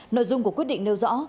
nội dung của quyết định nêu rõ